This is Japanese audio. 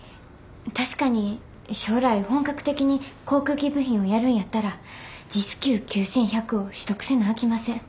確かに将来本格的に航空機部品をやるんやったらＪＩＳＱ９１００を取得せなあきません。